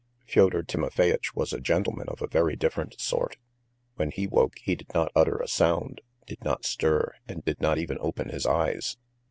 Fyodor Timofeyitch was a gentleman of a very different sort. When he woke he did not utter a sound, did not stir, and did not even open his eyes.